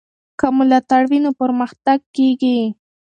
که ملاتړ وي نو پرمختګ کېږي.